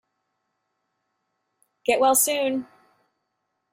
Get well soon!